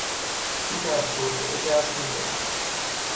او در توطئه دست نداشت.